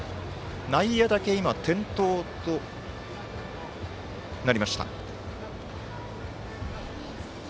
内野だけ、点灯となりました。